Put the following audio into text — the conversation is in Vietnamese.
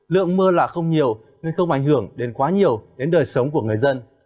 lượng mưa là không nhiều nên không ảnh hưởng đến quá nhiều đến đời sống của người dân